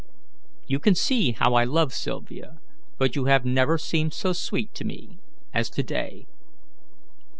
You can see how I love Sylvia, but you have never seemed so sweet to me as to day."